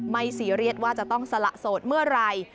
ซีเรียสว่าจะต้องสละโสดเมื่อไหร่